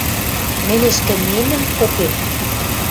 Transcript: Мӹнь ӹшкӹмемӹм попем...